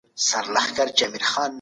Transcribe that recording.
خپل ذهن په ښو فکرونو سره ښایسته کړئ.